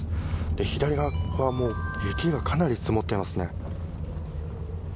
左側はもう雪がかなり積もっていますね。